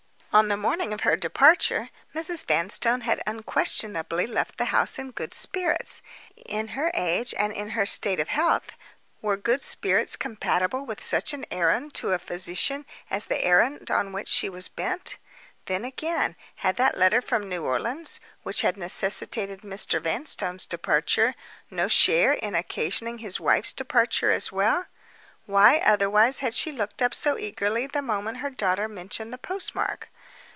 On the morning of her departure, Mrs. Vanstone had unquestionably left the house in good spirits. At her age, and in her state of health, were good spirits compatible with such an errand to a physician as the errand on which she was bent? Then, again, had that letter from New Orleans, which had necessitated Mr. Vanstone's departure, no share in occasioning his wife's departure as well? Why, otherwise, had she looked up so eagerly the moment her daughter mentioned the postmark.